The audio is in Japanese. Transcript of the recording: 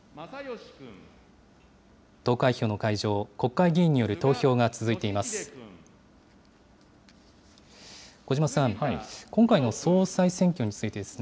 投開票の会場、国会議員による投票が続いています。